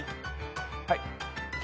はい。